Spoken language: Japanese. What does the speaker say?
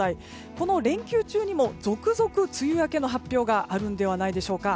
この連休中にも続々と梅雨明けの発表があるんじゃないでしょうか。